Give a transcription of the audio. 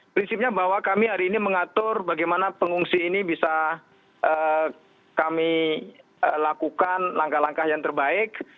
prinsipnya bahwa kami hari ini mengatur bagaimana pengungsi ini bisa kami lakukan langkah langkah yang terbaik